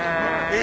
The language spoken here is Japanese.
え！